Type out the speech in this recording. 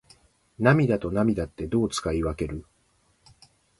涙と泪ってどう使い分ける？